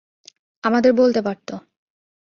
আমাদের বলতে পারতো।